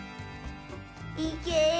いけ！